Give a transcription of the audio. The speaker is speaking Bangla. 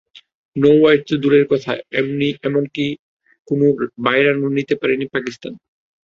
নো-ওয়াইড তো দূরের কথা, এমনকি কোনো বাই রানও নিতে পারেনি পাকিস্তান।